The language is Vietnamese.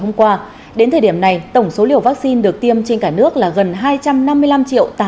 hôm qua đến thời điểm này tổng số liều vaccine được tiêm trên cả nước là gần hai trăm năm mươi năm triệu tám trăm linh